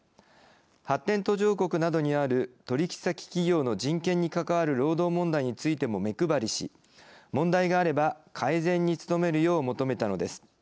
発展途上国などにある取引先企業の人権に関わる労働問題についても目配りし問題があれば改善に努めるよう求めたのです。